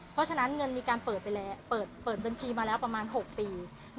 เพราะฉะนั้นเงินมีการเปิดบัญชีมาแล้วประมาณ๖ปี